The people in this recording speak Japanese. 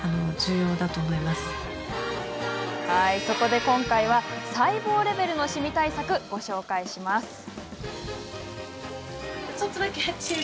そこで今回は、細胞レベルのシミ対策をご紹介しちゃいます。